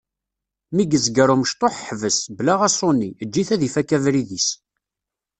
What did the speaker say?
Mi yezger umecṭuḥ ḥbes, bla aṣuni, eǧǧ-it ad ifak abrid-is.